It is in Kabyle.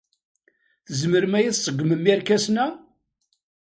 Tzemrem ad iyi-tṣeggmem irkasen-a?